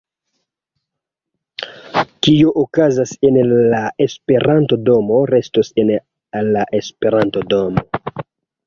Kio okazas en la Esperanto-domo, restos en la Esperanto-domo